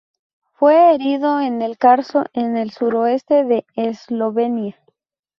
Fue herido en el Carso en el suroeste de Eslovenia.